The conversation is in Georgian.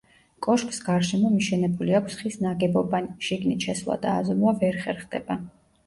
კოშკს გარშემო მიშენებული აქვს ხის ნაგებობანი, შიგნით შესვლა და აზომვა ვერ ხერხდება.